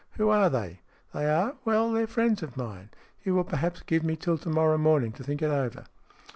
"Who are they?" " They are well, they're friends of mine. You will perhaps give me till to morrow morning to think it over."